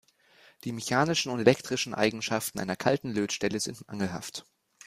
Die mechanischen und elektrischen Eigenschaften einer kalten Lötstelle sind mangelhaft.